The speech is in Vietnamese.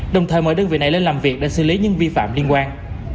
đồng thời mở đơn vị này lên làm việc để xử lý những vi phạm liên quan